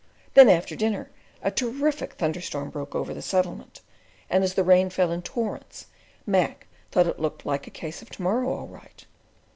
Then after dinner a terrific thunderstorm broke over the settlement, and as the rain fell in torrents, Mac thought it looked "like a case of to morrow all right."